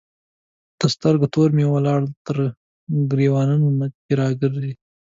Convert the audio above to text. د سترګو تور مي ولاړل تر ګرېوانه که راځې